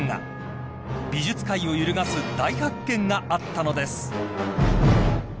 ［美術界を揺るがす大発見があったのです］